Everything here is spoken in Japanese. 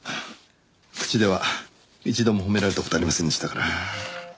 口では一度も褒められた事はありませんでしたから。